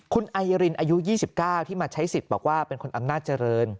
คุณไอรินอายุ๒๙ที่มาใช้สิทธิ์บอกว่าเป็นคนอำนาจเจริญ